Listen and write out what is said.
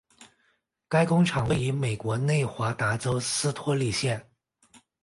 该工厂位于美国内华达州斯托里县。